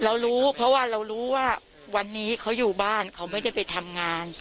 เรารู้เพราะว่าเรารู้ว่าวันนี้เขาอยู่บ้านเขาไม่ได้ไปทำงาน